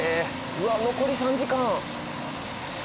うわっ残り３時間。